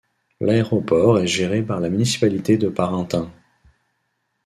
L'aéroport est géré par la municipalité de Parintins.